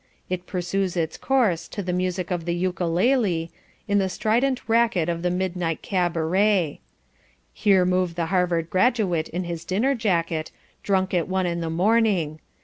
It pursues its course to the music of the ukalele, in the strident racket of the midnight cabaret. Here move the Harvard graduate in his dinner jacket, drunk at one in the morning.